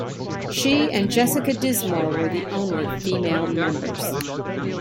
She and Jessica Dismorr were the only female members.